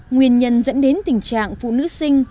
nguyên nhân dẫn đến tình trạng phụ nữ sinh